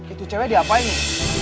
itu cewek dia apa ini